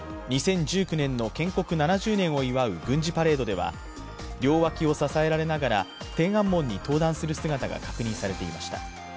２０１９年の建国７０年を祝う軍事パレードでは両脇を支えられながら天安門に登壇する姿が確認されていました。